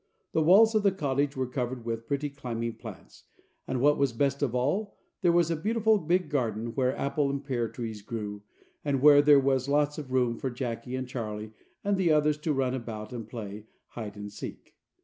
The walls of the cottage were covered with pretty climbing plants, and what was best of all, there was a beautiful big garden where apple and pear trees grew, and where there was lots of room for Jacky and Charlie and the others to run about and play "hide and seek."